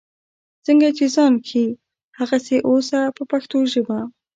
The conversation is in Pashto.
څنګه چې ځان ښیې هغسې اوسه په پښتو ژبه.